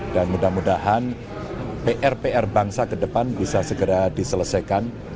dan mudah mudahan pr pr bangsa ke depan bisa segera diselesaikan